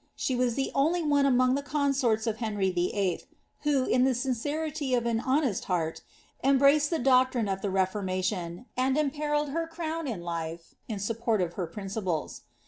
She wu ihe otily one among the consorls of Henry VIII., who, in the sin cniiy of an lionesi liesrC embraced (he tlocirine of the Iteformation, and imperilled Iter crown and life in support of her principles.